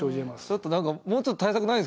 ちょっと何かもうちょっと対策ないんですかね。